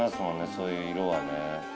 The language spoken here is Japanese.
そういう色はね。